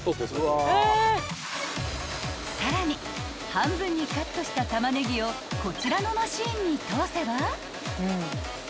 ［さらに半分にカットしたタマネギをこちらのマシンに通せば］